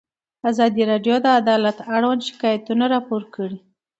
ازادي راډیو د عدالت اړوند شکایتونه راپور کړي.